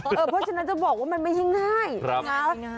อุ้ยคุณชนะคุณป่องอย่างเดียวคุณแฟปไม่ได้